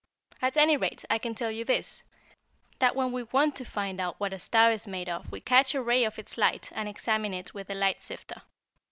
At any rate, I can tell you this, that when we want to find out what a star is made of we catch a ray of its light and examine it with the light sifter.